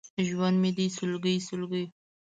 ژوند مې دی سلګۍ، سلګۍ!